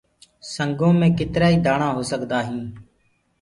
سنگو مي ڪيترآ ئي دآڻآ هو سگدآئين